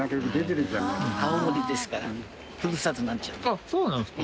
あっそうなんですか。